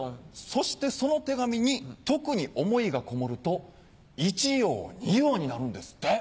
そしてその手紙に特に思いがこもると１葉２葉になるんですって。